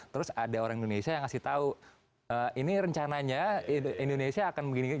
terus ada orang indonesia yang ngasih tahu ini rencananya indonesia akan begini begini